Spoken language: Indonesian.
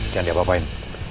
jangan dia apa apain